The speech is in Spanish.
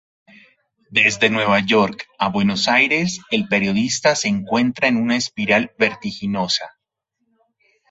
Desde Nueva York a Buenos Aires, el periodista se encuentra en una espiral vertiginosa.